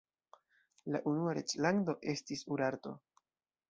La unua reĝlando estis Urarto.